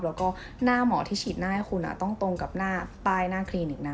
แล้วก็หน้าหมอที่ฉีดหน้าให้คุณต้องตรงกับหน้าป้ายหน้าคลินิกนะ